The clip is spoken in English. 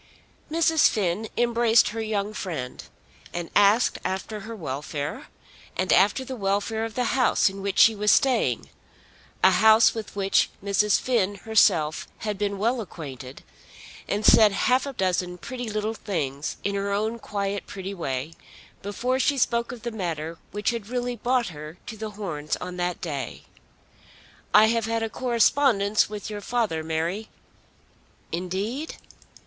Mrs. Finn embraced her young friend, and asked after her welfare, and after the welfare of the house in which she was staying, a house with which Mrs. Finn herself had been well acquainted, and said half a dozen pretty little things in her own quiet pretty way, before she spoke of the matter which had really brought her to The Horns on that day. "I have had a correspondence with your father, Mary." "Indeed."